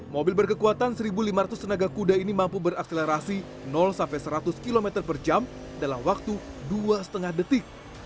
mobil berkekuatan satu lima ratus tenaga kuda ini mampu berakselerasi sampai seratus km per jam dalam waktu dua lima detik